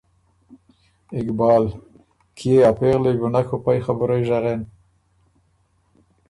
اقبال: کيې ا پېغلئ بُو نک په پئ خبُرئ ژغېن؟